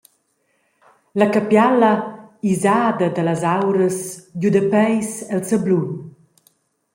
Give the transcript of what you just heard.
La capiala, isada dallas auras, giudapeis el sablun.